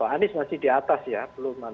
anies masih di atas ya